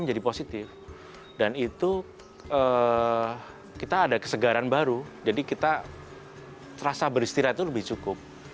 menjadi positif dan itu kita ada kesegaran baru jadi kita terasa beristirahat itu lebih cukup